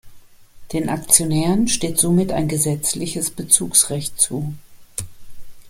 Den Aktionären steht somit ein gesetzliches Bezugsrecht zu.